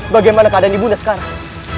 bagaimana keadaan ibunya sekarang